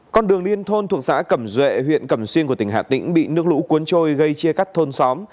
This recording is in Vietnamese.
con đường liên thôn thuộc xã cẩm duệ huyện cẩm xuyên của tỉnh hà tĩnh bị nước lũ cuốn trôi gây chia cắt thôn xóm